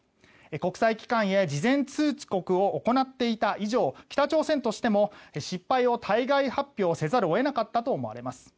国際機関へ事前通告を行っていた以上北朝鮮としても失敗を対外発表せざるを得なかったと思われます。